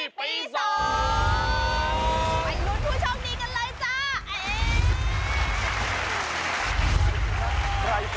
เยอะมากค่ะ